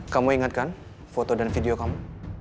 kamu ingat kan foto dan video kamu